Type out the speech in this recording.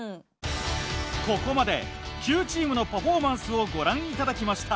ここまで９チームのパフォーマンスをご覧いただきました。